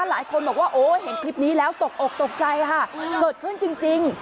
หลายคนบอกว่าโอ้เห็นคลิปนี้แล้วตกอกตกใจค่ะเกิดขึ้นจริง